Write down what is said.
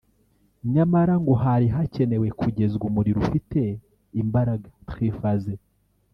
nyamara ngo hari hakenewe kugezwa umuriro ufite imbaraga (Triphase)